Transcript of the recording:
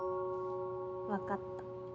分かった。